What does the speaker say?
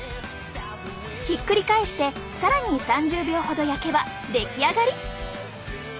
ひっくり返して更に３０秒ほど焼けば出来上がり。